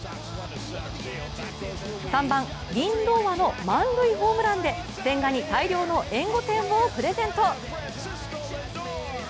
３番・リンドーアの満塁ホームランで千賀に大量援護点をプレゼント。